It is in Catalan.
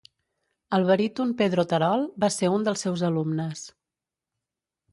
El baríton Pedro Terol va ser un dels seus alumnes.